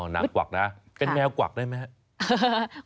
อ๋อนางกวักนะเป็นแม่กวักได้ไหม